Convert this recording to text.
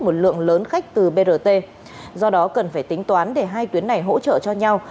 một lượng lớn khách từ brt do đó cần phải tính toán để hai tuyến này hỗ trợ cho nhau